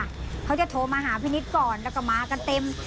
เขาจะโทรมาหาพี่นิดก่อนแล้วก็มากันเต็ม